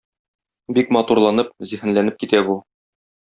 Бик матурланып, зиһенләнеп китә бу.